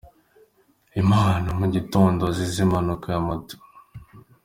Imana mu gitondo azize impanuka ya moto.